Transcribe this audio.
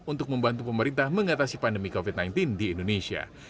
untuk membantu pemerintah mengatasi pandemi covid sembilan belas di indonesia